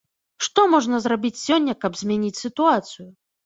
Што можна зрабіць сёння, каб змяніць сітуацыю?